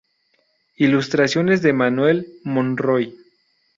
Ilustraciones de Manuel Monroy.